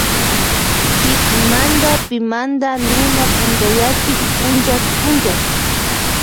Kikinmada pimanda luna punchayachin punllak punllak.